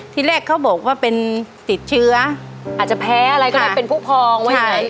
ที่แรกเขาบอกว่าเป็นติดเชื้ออาจจะแพ้อะไรก็ได้เป็นผู้พองไว้ยังไง